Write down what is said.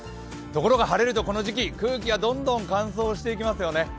ところが、晴れるとこの時期空気がどんどん乾燥していきますよね。